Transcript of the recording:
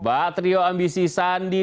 baterio ambisi sandiaga